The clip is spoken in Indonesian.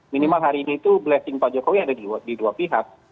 minimal hari ini itu blessing pak jokowi ada di dua pihak